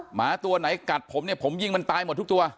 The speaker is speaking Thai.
หมาตัวไหนกัดผมเนี่ยผมยิงมันตายหมดทุกตัว